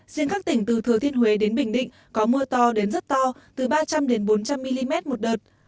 riêng các tỉnh từ thừa thiên huế đến bình định có mưa to đến rất to từ ba trăm linh bốn trăm linh mm một đợt